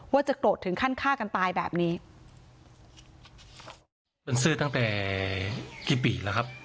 ว่าจะโกรธถึงขั้นฆ่ากันตายแบบนี้